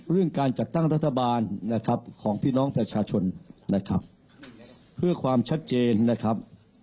เรื่องการจัดตั้งรัฐบาลนะครับของพี่น้องประชาชนนะครับเพื่อความชัดเจนนะครับ